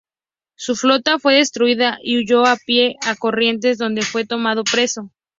Su flota fue destruida y huyó a pie a Corrientes, donde fue tomado preso.